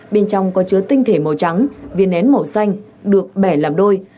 bên trong có chứa tinh thể màu trắng viên nén màu xanh được bẻ làm đôi